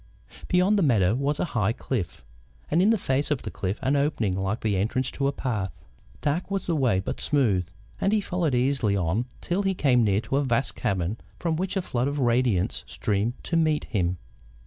Beyond the meadow was a high cliff, and in the face of the cliff an opening like the entrance to a path. Dark was the way, but smooth, and he followed easily on till he came near to a vast cavern from which a flood of radiance streamed to meet him.